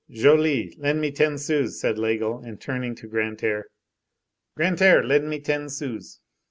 "Joly, lend me ten sous," said Laigle; and, turning to Grantaire: "Grantaire, lend me ten sous."